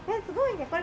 すごいね。